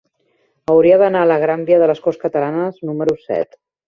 Hauria d'anar a la gran via de les Corts Catalanes número set.